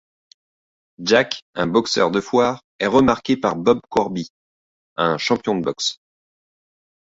Jack, un boxeur de foire, est remarqué par Bob Corby, un champion de boxe.